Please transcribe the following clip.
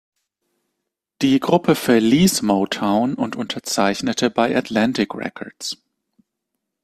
Die Gruppe verließ Motown und unterzeichnete bei Atlantic Records.